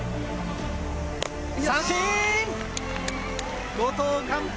三振！